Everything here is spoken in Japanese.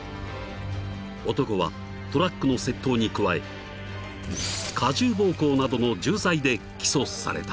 ［男はトラックの窃盗に加え加重暴行などの重罪で起訴された］